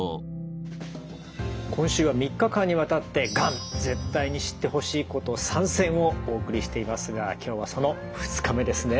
今週は３日間にわたって「がん絶対に知ってほしいこと３選」をお送りしていますが今日はその２日目ですね。